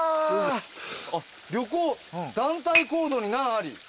旅行「団体行動に難あり」